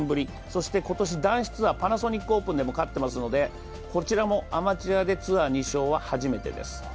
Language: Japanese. そして今年男子ツアーパナソニックオープンでも勝っていますんでこちらもアマチュアでツアー２勝は初めてです。